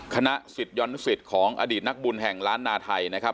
คณะสิทธยานุสิตของอดีตนักบุญแห่งล้านนาไทยนะครับ